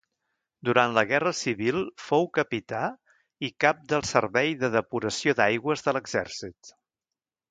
Durant la Guerra Civil fou capità i cap del Servei de Depuració d'Aigües de l'exèrcit.